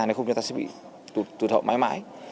nếu không thì chúng ta sẽ bị tụt hậu mãi mãi